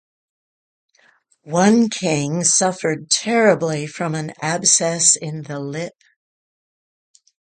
One king suffered terribly from an abscess in the lip.